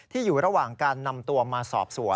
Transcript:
อยู่ระหว่างการนำตัวมาสอบสวน